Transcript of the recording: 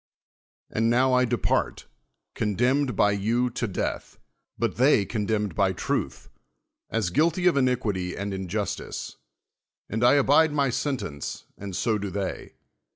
And now I depart, condemned by you to death ; but they condemned by truth, as guilty of iniquity and injustice: and I abide my sentence and so do they.